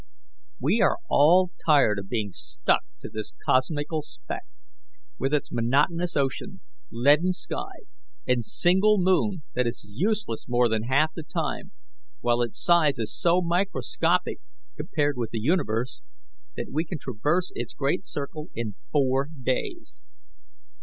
We are all tired of being stuck to this cosmical speck, with its monotonous ocean, leaden sky, and single moon that is useless more than half the time, while its size is so microscopic compared with the universe that we can traverse its great circle in four days.